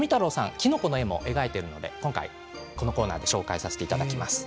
きのこの絵も描いているので、今回このコーナーで紹介させていただきます。